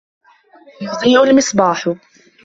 يُضِيءُ الْمِصْبَاحُ.